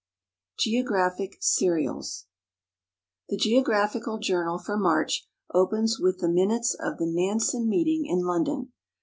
GEOGRAPHIC SERIALS The Geographical Journal for March opens with the minutes of the Nansen meeting in London.